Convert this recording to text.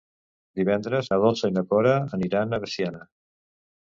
Divendres na Dolça i na Cora aniran a Veciana.